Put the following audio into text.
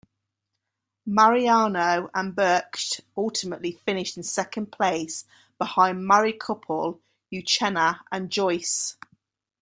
Mariano and Brkich ultimately finished in second place behind married couple, Uchenna and Joyce.